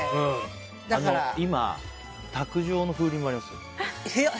今、卓上の風鈴もありますよ。